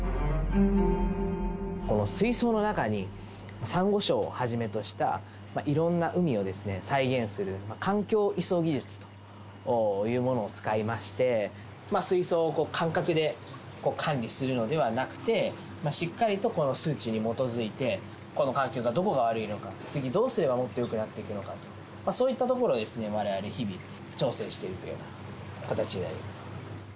この水槽の中にサンゴ礁をはじめとしたいろんな海を再現する環境移送技術というものを使いまして、水槽を感覚で管理するのではなくて、しっかりと数値に基づいて、この環境のどこが悪いのか、次どうすればもっとよくなっていくのかと、そういったところをわれわれ、日々調整しているというような形になります。